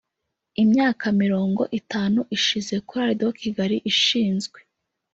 Imyaka mirongo itanu ishize Chorale de Kigali ishinzwe